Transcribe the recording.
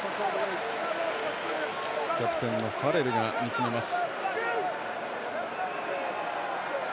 キャプテンのファレルが見つめます。